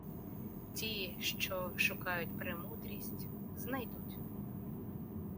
Ті, що шукають премудрість, – знайдуть.